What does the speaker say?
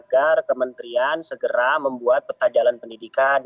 agar kementerian segera membuat peta jalan pendidikan